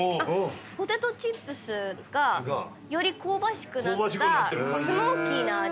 ポテトチップスがより香ばしくなったスモーキーな味。